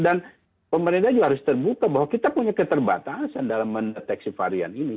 dan pemerintah juga harus terbuka bahwa kita punya keterbatasan dalam meneteksi varian ini